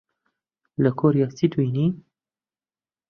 لە کۆریا چیت بینی؟